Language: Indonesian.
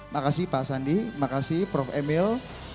makasih pak sandi makasih prof emil